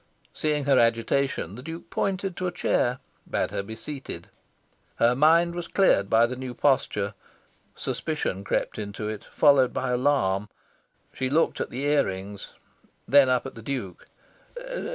Seeing her agitation, the Duke pointed to a chair, bade her be seated. Her mind was cleared by the new posture. Suspicion crept into it, followed by alarm. She looked at the ear rings, then up at the Duke.